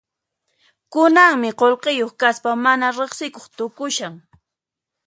Kunanmi qullqiyuq kaspa mana riqsikuq tukushan.